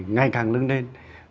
ngày càng lớn lên